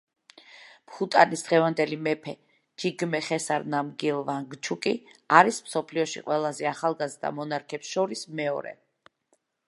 ბჰუტანის დღევანდელი მეფე ჯიგმე ხესარ ნამგიელ ვანგჩუკი არის მსოფლიოში ყველაზე ახალგაზრდა მონარქებს შორის მეორე.